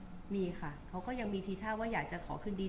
มีไหมมีค่ะมีค่ะเขาก็ยังมีทีท่าว่าอยากจะขอคืนดี